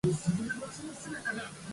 オート＝マルヌ県の県都はショーモンである